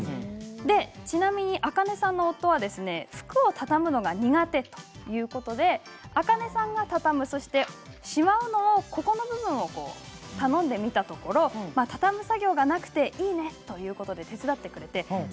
ちなみに、あかねさんの夫は服を畳むのが苦手ということであかねさんが畳むしまう部分を頼んでみたところ畳む作業がなくていいねということで手伝ってくれたそうです。